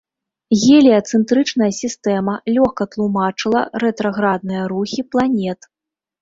Геліяцэнтрычная сістэма лёгка тлумачыла рэтраградныя рухі планет.